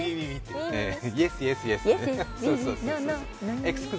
イエス、イエス、イエスだね。